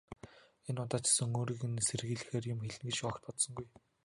Энэ удаа ч гэсэн өөрийг нь сэрхийлгэхээр юм хэлнэ гэж огт бодсонгүй.